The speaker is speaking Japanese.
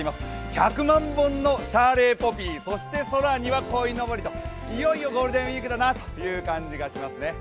１００万本のシャーレーポピーそして空にはこいのぼりといよいよゴールデンウイークだなという感じがしますね。